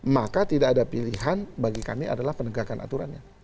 maka tidak ada pilihan bagi kami adalah penegakan aturannya